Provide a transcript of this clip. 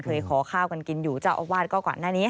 ขอข้าวกันกินอยู่เจ้าอาวาสก็ก่อนหน้านี้